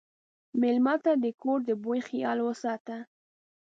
مېلمه ته د کور د بوي خیال وساته.